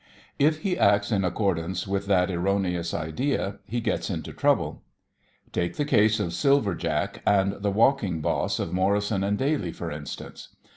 If he acts in accordance with that erroneous idea, he gets into trouble. Take the case of Silver Jack and the walking boss of Morrison & Daly, for instance.